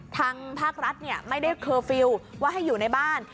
ทางภาครัฐไม่ได้เคอร์ฟิลล์ว่าให้อยู่ในบ้าน